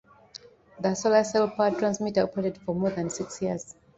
The solar cell powered transmitter operated for more than six years.